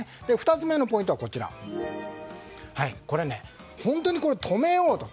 ２つ目のポイントは本当に止めようと。